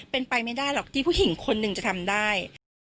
เป็นไปไม่ได้หรอกที่ผู้หญิงคนหนึ่งจะทำได้